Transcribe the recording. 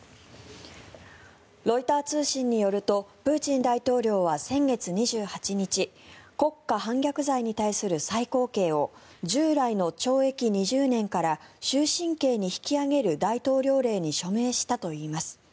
ロイター通信によるとプーチン大統領は先月２８日国家反逆罪に対する最高刑を従来の懲役２０年から終身刑に引き上げる大統領令に署名したといいます。